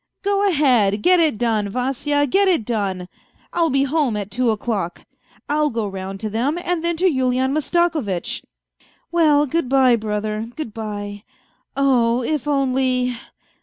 Go ahead 1 Get it done, Vasya, get it done. I'll be home at two o'clock. I'll go round to them, and then to Yulian Mastakovitch." "Well, good bye, brother; good bye ... Oh 1 if only.